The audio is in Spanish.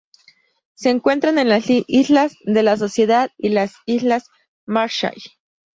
Se encuentran en las Islas de la Sociedad y las Islas Marshall.